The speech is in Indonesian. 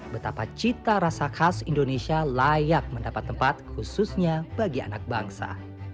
betapa cita rasa khas indonesia layak mendapat tempat khususnya bagi anak bangsa